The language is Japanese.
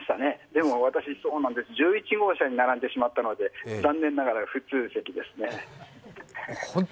でも、私、１１号車に並んでしまったので、残念ながら普通席ですね。